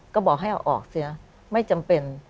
ก็บอกให้เอาออกเสียไม่จำเป็น